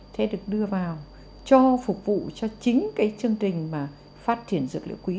sẽ được đưa vào cho phục vụ cho chính chương trình phát triển dược liệu quý